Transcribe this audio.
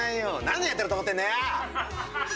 何年やってると思ってんのよ！